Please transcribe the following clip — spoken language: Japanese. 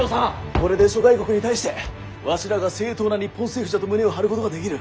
これで諸外国に対してわしらが正統な日本政府じゃと胸を張ることができる。